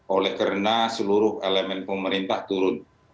oleh karena seluruh elemen pemerintah turun